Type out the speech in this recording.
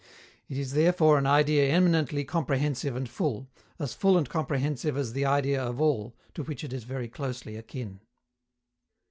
It is therefore an idea eminently comprehensive and full, as full and comprehensive as the idea of All, to which it is very closely akin.